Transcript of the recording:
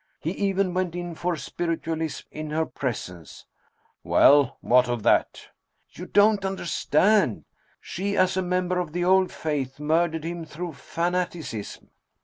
He even went in for spiritualism in her presence !" "Well, what of that?" " You don't understand ? She, as a member of the Old Faith, murdered him through fanaticism.